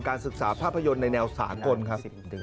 ศึกษาภาพยนตร์ในแนวสากลครับ